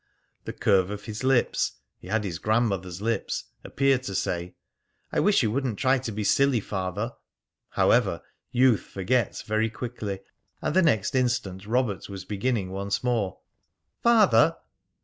The curve of his lips (he had his grandmother's lips) appeared to say, "I wish you wouldn't try to be silly, Father." However, youth forgets very quickly, and the next instant Robert was beginning once more, "Father!"